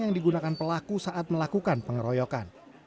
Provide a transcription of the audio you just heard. yang digunakan pelaku saat melakukan pengeroyokan